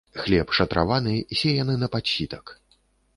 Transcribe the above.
Хлеб шатраваны, сеяны на падсітак.